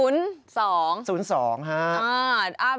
๐๒ครับ